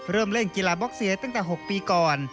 เริ่มเล่นกีฬาบ็อกเซียตั้งแต่๖ปีก่อน